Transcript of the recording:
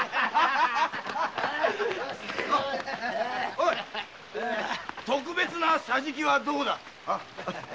オイ特別な桟敷はどこだ？